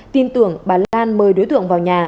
tin tưởng bà lan mời đối tượng vào nhà